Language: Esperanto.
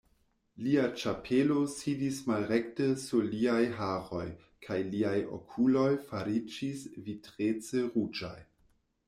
Lia ĉapelo sidis malrekte sur liaj haroj kaj liaj okuloj fariĝis vitrece ruĝaj.